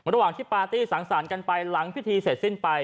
ระหว่างที่ปาร์ตี้สังสรรค์กันไปหลังพิธีเสร็จสิ้นไป